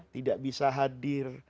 tidak bisa hadir